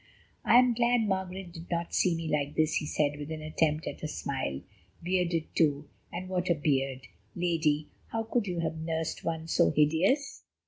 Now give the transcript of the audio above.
"I am glad Margaret did not see me like this," he said, with an attempt at a smile, "bearded too, and what a beard! Lady, how could you have nursed one so hideous?"